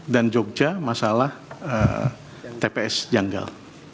dan jogja masalah tps janggal